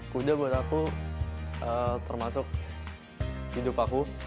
kuda buat aku termasuk hidup aku